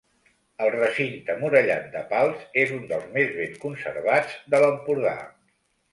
El recinte murallat de Pals és un dels més ben conservats de l'Empordà.